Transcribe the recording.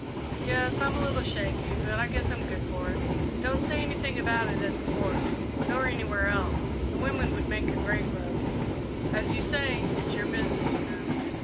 "Yes; I'm a little shaky, but I guess I'm good for it. Don't say anything about it at the Fort, nor anywhere else the women would make a great row." "As you say it's your business, you know."